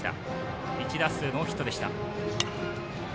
１打数ノーヒットでした。